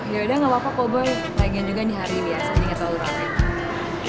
ya udah gak apa apa boy lagi lagi juga di hari biasa inget inget lo pak boy